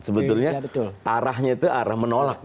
sebetulnya arahnya itu arah menolak